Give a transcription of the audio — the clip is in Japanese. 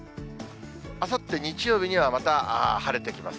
あさって日曜日には、また晴れてきます。